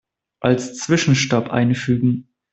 Als Zwischenstopp einfügen.